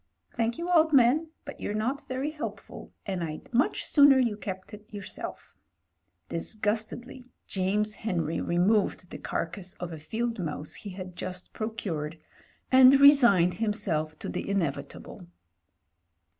Thank you, old man, but you're not very helpful, and Fd much sooner you kept it yourself." Disgustedly James Henry removed the carcase of a field mouse he had just procured, and resigned him self to the inevitable.